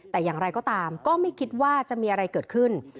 แต่อย่างไรก็ตามก็ไม่คิดว่าจะมีอะไรเกิดขึ้น